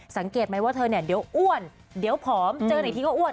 สังเกตไหมว่าเธอเดี๋ยวอ้วนเดี๋ยวผอมเจอไหนที่ก็อ้วน